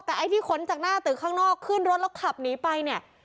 แต่ไอ้ที่ขนจากหน้าตึกข้างนอกขึ้นรถแล้วขับหนีไปเนี่ย